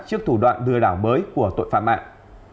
trước thủ đoạn lừa đảo mới của tội phạm mạng